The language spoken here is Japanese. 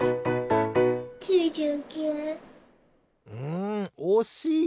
んおしい！